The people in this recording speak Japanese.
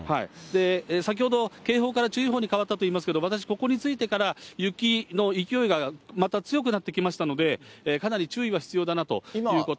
先ほど、警報から注意報に変わったといいますけれども、私ここに着いてから、雪の勢いがまた強くなってきましたので、かなり注意は必要だなということ。